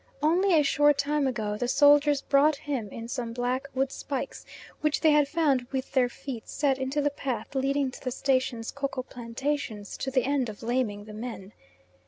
Only a short time ago the soldiers brought him in some black wood spikes, which they had found with their feet, set into the path leading to the station's koko plantations, to the end of laming the men.